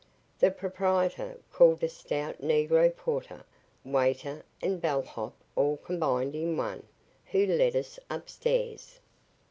The proprietor called a stout negro porter, waiter, and bell hop all combined in one, who led us upstairs.